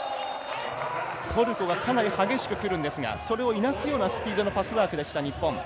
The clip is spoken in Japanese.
トルコがかなり激しくくるんですがそれをいなすようなスピードのパスワークでした日本。